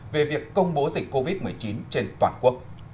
về việc công bố dịch covid một mươi chín trên toàn quốc